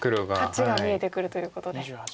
勝ちが見えてくるということで。